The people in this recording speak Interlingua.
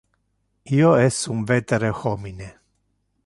Io es un vetere homine.